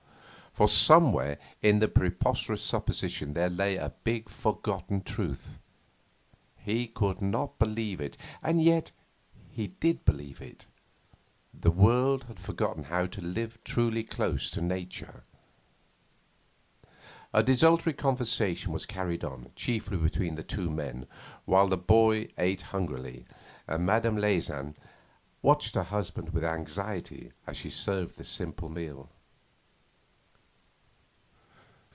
For somewhere in the preposterous superstition there lay a big forgotten truth. He could not believe it, and yet he did believe it. The world had forgotten how to live truly close to Nature. A desultory conversation was carried on, chiefly between the two men, while the boy ate hungrily, and Mme. Leysin watched her husband with anxiety as she served the simple meal.